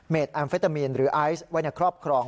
แอมเฟตามีนหรือไอซ์ไว้ในครอบครอง